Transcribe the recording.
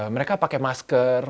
mereka pakai masker